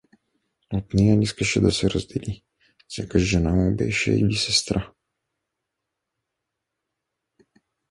От нея не искаше да се раздели — сякаш жена му беше или сестра!